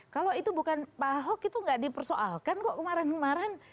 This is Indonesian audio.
kalau itu bukan pak ahok itu nggak dipersoalkan kok kemarin kemarin